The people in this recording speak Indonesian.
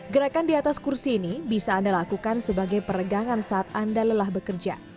gerakan di atas kursi ini bisa anda lakukan sebagai peregangan saat anda lelah bekerja